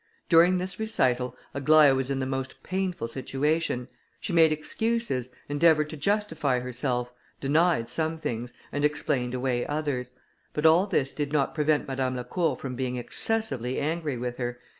During this recital, Aglaïa was in the most painful situation; she made excuses, endeavoured to justify herself, denied some things, and explained away others; but all this did not prevent Madame Lacour from being excessively angry with her.